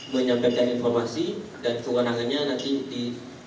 menyampaikan informasi dan kewenangannya nanti di